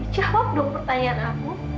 jawab dong pertanyaan aku